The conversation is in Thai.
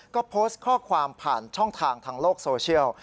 ก็โพสต์ข้อความผ่านช่องทางทางโลกโซเชียล